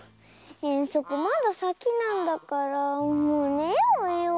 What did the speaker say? えんそくまださきなんだからもうねようよ。